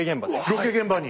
ロケ現場に。